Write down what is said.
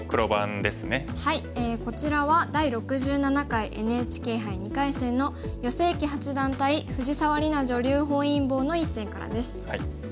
こちらは第６７回ＮＨＫ杯２回戦の余正麒八段対藤沢里菜女流本因坊の一戦からです。